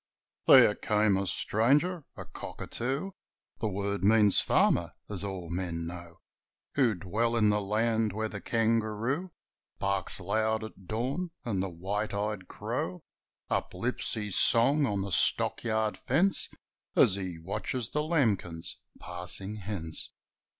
There came a stranger a 'Cockatoo' The word means farmer, as all men know Who dwell in the land where the kangaroo Barks loud at dawn, and the white eyed crow Uplifts his song on the stock yard fence As he watches the lambkins passing hence.